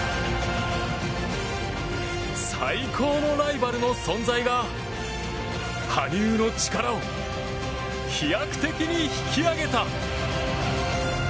最高のライバルの存在が羽生の力を飛躍的に引き上げた。